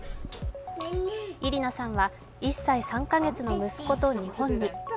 イリナさんは１歳３カ月の息子と日本に。